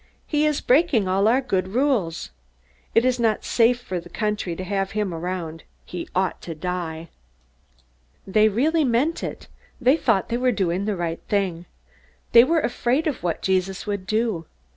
"He is breaking all our good rules. It is not safe for the country to have him around. He ought to die!" They really meant it. They thought they were doing the right thing. They were afraid of what Jesus would do.